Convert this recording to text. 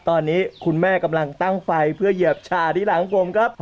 ตอนนี้คุณแม่กำลังตั้งไฟเพื่อเหยียบชาที่หลังผมครับ